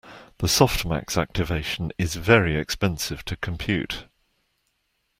The softmax activation is very expensive to compute.